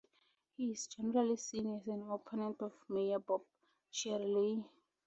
He is generally seen as an opponent of mayor Bob Chiarelli.